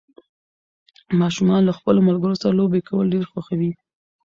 ماشومان له خپلو ملګرو سره لوبې کول ډېر خوښوي